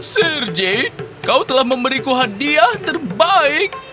serji kau telah memberiku hadiah terbaik